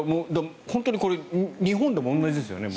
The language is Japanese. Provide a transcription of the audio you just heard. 本当にこれ日本でもまさに同じですよね。